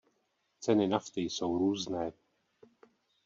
Ceny nafty jsou různé.